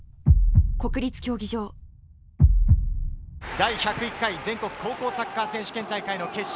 第１０１回全国高校サッカー選手権大会の決勝